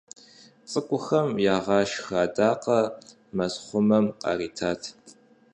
ЦӀыкӀухэм ягъашхэ адакъэр мэзхъумэм къаритат.